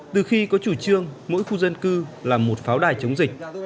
từ khi có chủ trương mỗi khu dân cư là một pháo đài chống dịch